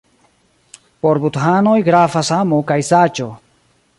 Por budhanoj gravas amo kaj saĝo.